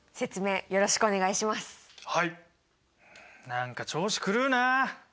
何か調子狂うなあ。